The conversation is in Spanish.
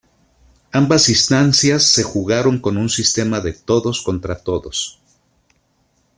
Ambas instancias se jugaron con un sistema de todos contra todos.